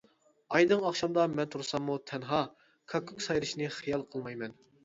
ئايدىڭ ئاخشامدا مەن تۇرساممۇ تەنھا، كاككۇك سايرىشىنى خىيال قىلمايمەن.